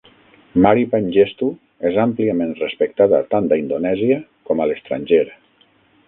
Mari Pangestu és àmpliament respectada tant a Indonèsia com a l'estranger.